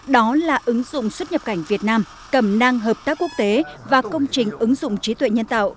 đó là ứng dụng xuất nhập cảnh việt nam cầm năng hợp tác quốc tế và công trình ứng dụng trí tuệ nhân tạo